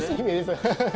ハハハ。